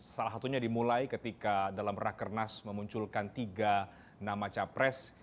salah satunya dimulai ketika dalam rakernas memunculkan tiga nama capres